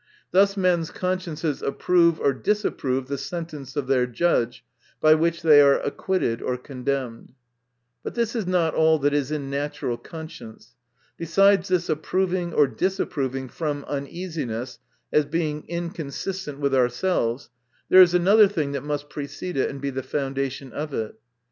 Thus men's consciences approve or disapprove the sentence of their judge, by which they are acquitted or condemned. — But this is not all that is in natural conscience. Besides this approving or disapproving from uneasiness as being inconsistent with ourselves, there is another thing that must precede it, and be the foundation of it.